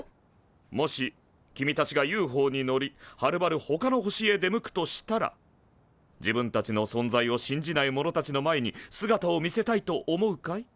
もし君たちがＵＦＯに乗りはるばるほかの星へ出向くとしたら自分たちの存在を信じない者たちの前に姿を見せたいと思うかい？